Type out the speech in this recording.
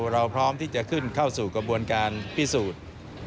เราพร้อมที่จะขึ้นเข้าสู่กระบวนการพิสูจน์